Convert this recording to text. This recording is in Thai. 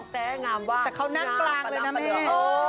แต่ที่แน่